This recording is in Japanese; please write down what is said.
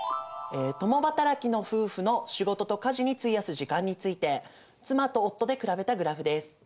共働きの夫婦の仕事と家事に費やす時間について妻と夫で比べたグラフです。